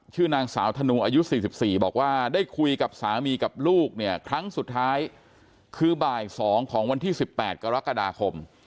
ชื่อนางสาวธนูอายุ๔๔บอกว่าได้คุยกับสามีกับลูกเนี่ยครั้งสุดท้ายคือบ่าย๒ของวันที่๑๘กรกฎาคม